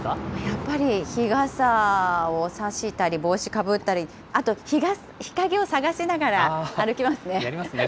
やっぱり日傘を差したり、帽子をかぶったり、あと、日陰を探やりますね。